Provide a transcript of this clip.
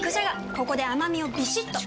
ここで甘みをビシッと！